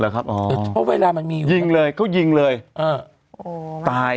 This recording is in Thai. ครับอ๋อเพราะเวลามันมียิงเลยเขายิงเลยเออโอ้ตาย